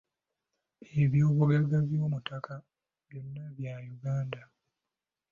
Ebyobugagga byomuttakka byonna bya Uganda.